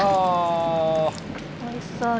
おいしそうに。